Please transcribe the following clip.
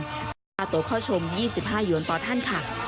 รับรับตัวข้อชม๒๕หยุดต่อท่านค่ะ